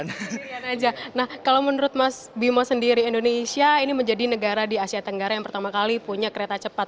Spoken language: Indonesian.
nah kalau menurut mas bimo sendiri indonesia ini menjadi negara di asia tenggara yang pertama kali punya kereta cepat